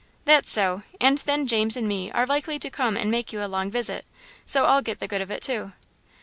"That's so, and then James and me are likely to come and make you a long visit, so I'll get the good of it, too."